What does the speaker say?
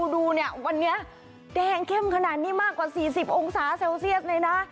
ดูเนี่ยวันนี้แดงเข้มขนาดนี้มากกว่า๔๐องศาเซลเซียสเลยนะ